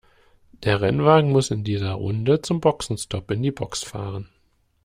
Der Rennwagen muss in dieser Runde zum Boxenstopp in die Box fahren.